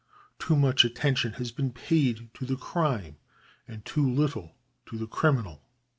Too much attention has been paid to the crime, and too little to the criminal.